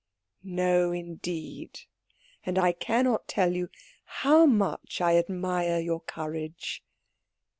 "No, indeed. And I cannot tell you how much I admire your courage."